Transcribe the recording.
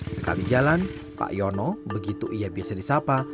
sekali jalan pak yono begitu ia biasa disapa